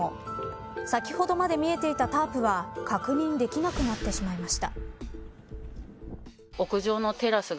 先ほどまで見えていたタープは確認できなくなってしまいました。